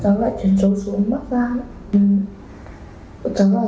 cháu lại chuyển xuống xuống bắt ra